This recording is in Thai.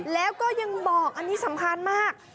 แล้วก็ยังบอกอันนี้สำคัญมาก